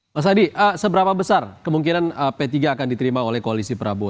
mas adi seberapa besar kemungkinan p tiga akan diterima oleh koalisi prabowo